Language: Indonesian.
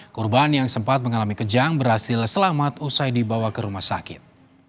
korban yang sempat mengalami kejang berhasil selamat usai dibawa ke rumah sakit